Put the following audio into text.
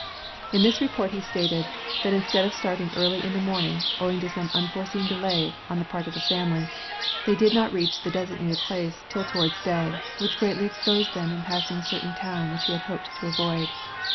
In this report he stated, that instead of starting early in the morning, owing to some unforeseen delay on the part of the family, they did not reach the designated place till towards day, which greatly exposed them in passing a certain town which he had hoped to avoid.